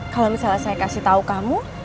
kalau misalnya saya kasih tahu kamu